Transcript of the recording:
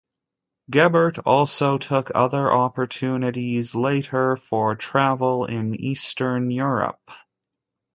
Gebert also took other opportunities later for travel in Eastern Europe.